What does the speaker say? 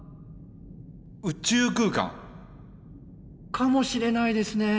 宇宙空間！かもしれないですねぇ。